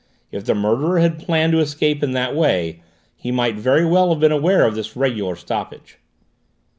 If the murderer had planned to escape in that way he might very well have been aware of this regular stoppage."